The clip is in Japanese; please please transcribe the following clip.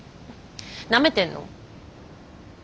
なめてんの？